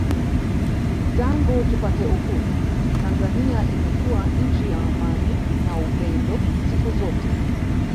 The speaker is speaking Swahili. Tangu tupate Uhuru Tanzania imekuwa nchi ya amani na upendo siku zote